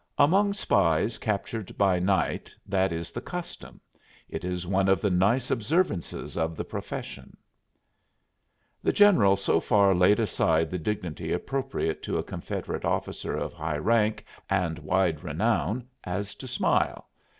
"Among spies captured by night that is the custom. It is one of the nice observances of the profession." The general so far laid aside the dignity appropriate to a Confederate officer of high rank and wide renown as to smile.